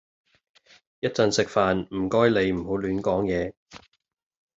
一陣食飯唔該你唔好亂講嘢